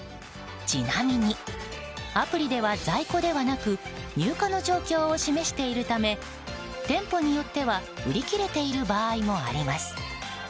ちなみにアプリでは在庫ではなく入荷の状況を示しているため店舗によっては売り切れている場合もあります。